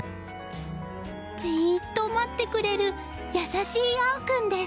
じーっと待ってくれる優しい青君です。